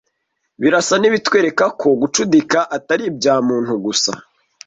birasa n’ibitwereka ko gucudika atari ibya muntu gusa